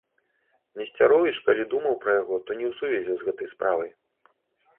Несцяровіч, калі думаў пра яго, то не ў сувязі з гэтай справай.